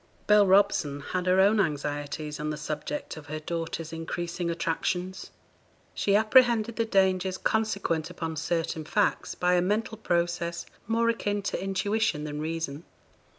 Bell Robson had her own anxieties on the subject of her daughter's increasing attractions. She apprehended the dangers consequent upon certain facts, by a mental process more akin to intuition than reason.